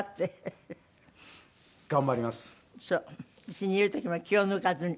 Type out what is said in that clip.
家にいる時も気を抜かずに。